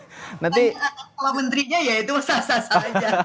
kalau menterinya ya itu salah salah aja